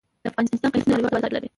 د افغانستان قیسی نړیوال بازار لري